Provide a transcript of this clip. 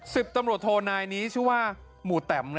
สิบตำรวจโทนายนี้ชื่อว่าหมู่แตม